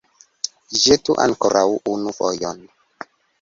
Ĵetu ankoraŭ unu fojon!